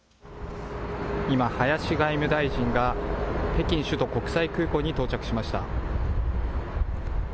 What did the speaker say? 今、林外務大臣が北京首都国際空港に到着しました。